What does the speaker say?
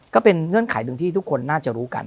เงื่อนไขหนึ่งที่ทุกคนน่าจะรู้กัน